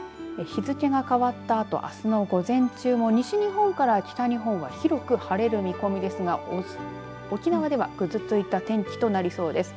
日付が変わったあとあすの午前中も西日本から北日本は、広く晴れる見込みですが沖縄では、ぐずついた天気となりそうです。